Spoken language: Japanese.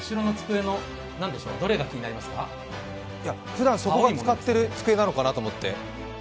ふだん、そこが使ってる机なのかなと思って。